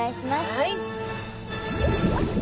はい。